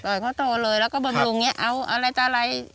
ปล่อยเขาโตเลยแล้วก็บำรุงอย่างเงี้ยเอาอะไรจะอะไร